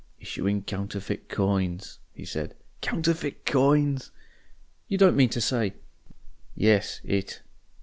"Issuing counterfeit coins," he said. "Counterfeit coins!" "You don't mean to say ?" "Yes It.